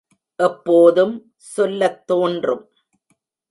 எப்போதும் சொல்லத் தோன்றும்.